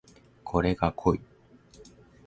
これが濃い